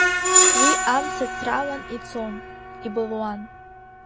Уи амца ацралан ицон, ибылуан.